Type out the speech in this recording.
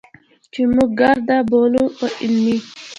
چې موږ ګړدود بولو، په علمي